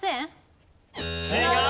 違う！